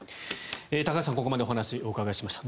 高橋さんにここまでお話をお伺いしました。